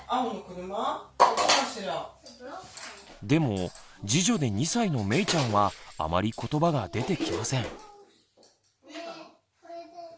でも次女で２歳のめいちゃんはあまりことばが出てきません。